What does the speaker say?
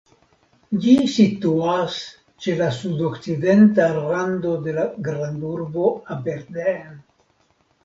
Ĝi situas ĉe la sudokcidenta rando de la grandurbo Aberdeen.